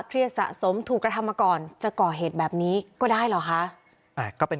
สะสมถูกกระทำมาก่อนจะก่อเหตุแบบนี้ก็ได้เหรอคะก็เป็น